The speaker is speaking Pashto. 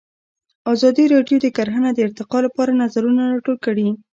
ازادي راډیو د کرهنه د ارتقا لپاره نظرونه راټول کړي.